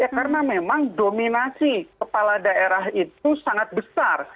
karena memang dominasi kepala daerah itu sangat besar